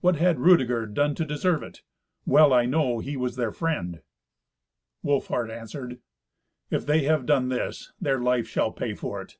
What had Rudeger done to deserve it? Well I know he was their friend." Wolfhart answered, "If they have done this, their life shall pay for it.